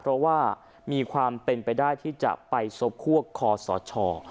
เพราะว่ามีความเป็นไปได้ที่จะไปซบคั่วคอสช